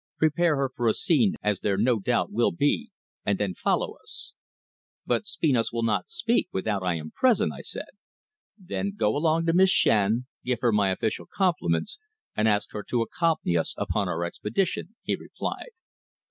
Prepare her for a scene as there no doubt will be and then follow us." "But Senos will not speak without I am present," I said. "Then go along to Miss Shand, give her my official compliments and ask her to accompany us upon our expedition," he replied.